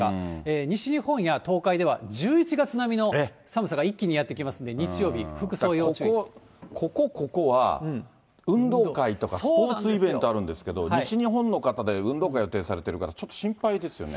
西日本や東海では１１月並みの寒さが一気にやって来ますんで、日ここ、ここは運動会とかスポーツイベントあるんですけど、西日本の方で運動会予定されてる方、ちょっと心配ですよね。